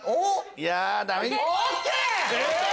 いやダメ。